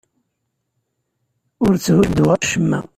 Ur tthudduɣ acemma.